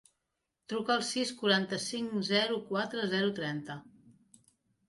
Truca al sis, quaranta-cinc, zero, quatre, zero, trenta.